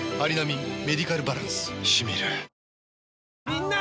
みんな！